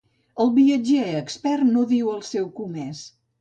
El viatger expert no diu el seu comès.